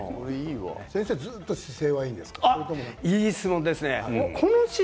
先生、ずっと姿勢はいいんですか。